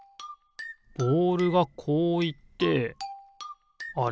ボールがこういってあれ？